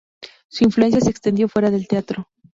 Su influencia se extendió fuera del teatro.